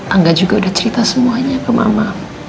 anda juga sudah cerita semuanya ke mama